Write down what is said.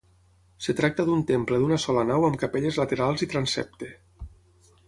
Es tracta d'un temple d'una sola nau amb capelles laterals i transsepte.